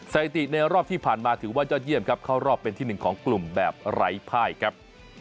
สถิติในรอบที่ผ่านมาถือว่ายอดเยี่ยมครับเข้ารอบเป็นที่๑ของกลุ่มแบบไร้ภายครับ